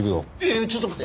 いやちょっと待って。